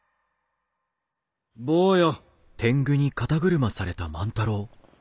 坊よ。